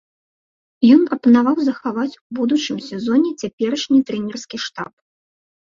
Ён прапанаваў захаваць у будучым сезоне цяперашні трэнерскі штаб.